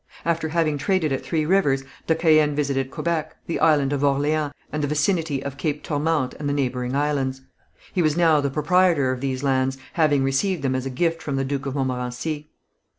After having traded at Three Rivers, de Caën visited Quebec, the Island of Orleans, and the vicinity of Cape Tourmente and the neighbouring islands. He was now the proprietor of these lands, having received them as a gift from the Duke of Montmorency.